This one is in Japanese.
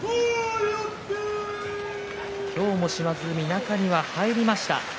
今日も島津海、中には入りました。